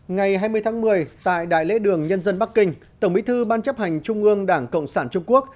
ngày hai mươi tháng một mươi tại đại lễ đường nhân dân bắc kinh tổng bí thư ban chấp hành trung ương đảng cộng sản trung quốc